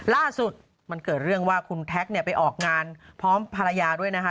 ล่าสุดมันเกิดเรื่องว่าคุณแท็กเนี่ยไปออกงานพร้อมภรรยาด้วยนะคะ